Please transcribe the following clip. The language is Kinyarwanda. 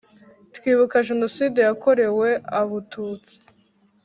twibuka jenoside ya korewe abututsi